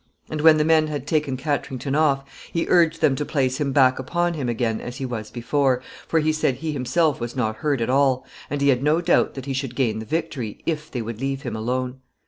And when the men had taken Katrington off, he urged them to place him back upon him again as he was before, for he said he himself was not hurt at all, and he had no doubt that he should gain the victory if they would leave him alone.